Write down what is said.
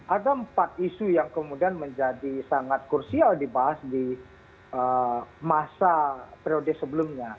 ada empat isu yang kemudian menjadi sangat kursial dibahas di masa periode sebelumnya